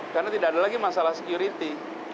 karena tidak ada lagi masalah security